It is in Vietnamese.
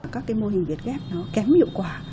các cái mô hình việt ghép nó kém hiệu quả